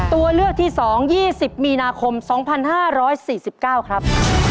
ตัวเลือกที่๒๒๐มีนาคม๒๕๔๙ครับ